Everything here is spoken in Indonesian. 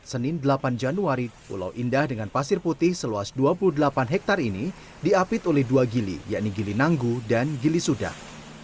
senin delapan januari pulau indah dengan pasir putih seluas dua puluh delapan hektare ini diapit oleh dua gili yakni gili nanggu dan gili sudah